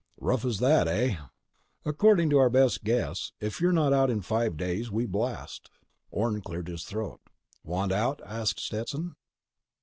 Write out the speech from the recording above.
"Rough as that, eh?" "According to our best guess. If you're not out in five days, we blast." Orne cleared his throat. "Want out?" asked Stetson.